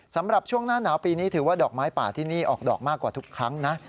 สำหรับช่วงหน้าหนาวปีนี้ถือว่าดอกไม้ป่าที่นี่ออกดอกมากกว่าทุกครั้งนะ